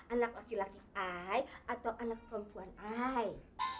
anak laki laki aku atau anak perempuan aku